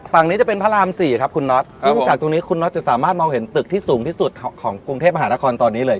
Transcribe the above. ฝั่งนี้จะเป็นพระรามสี่ครับคุณน็อตซึ่งจากตรงนี้คุณน็อตจะสามารถมองเห็นตึกที่สูงที่สุดของกรุงเทพมหานครตอนนี้เลย